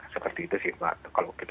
seperti itu sih mbak